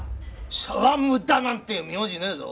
無駄なんて名字ねえぞ。